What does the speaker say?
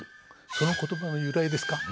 その言葉の由来ですか？